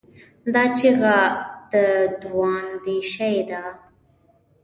دا چیغه د دوراندیشۍ ده.